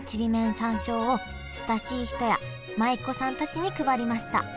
山椒を親しい人や舞妓さんたちに配りました。